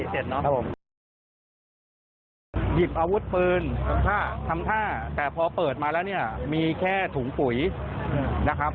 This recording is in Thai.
เสร็จเนาะหยิบอาวุธปืนทำท่าแต่พอเปิดมาแล้วเนี่ยมีแค่ถุงปุ๋ยนะครับ